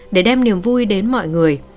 để đem niềm vui đến mọi người